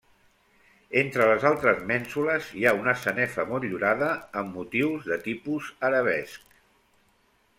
Entre les altres mènsules hi ha una sanefa motllurada amb motius de tipus arabesc.